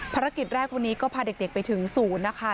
ภารกิจแรกวันนี้ก็พาเด็กไปถึงศูนย์นะคะ